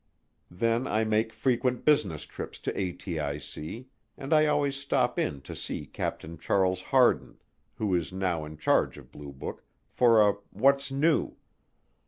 Then I make frequent business trips to ATIC, and I always stop in to see Captain Charles Hardin, who is now in charge of Blue Book, for a "What's new?"